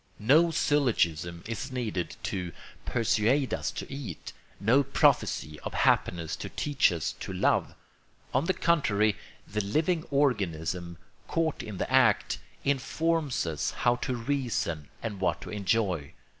No syllogism is needed to persuade us to eat, no prophecy of happiness to teach us to love. On the contrary, the living organism, caught in the act, informs us how to reason and what to enjoy.